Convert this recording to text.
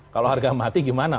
kalau harga mati gimana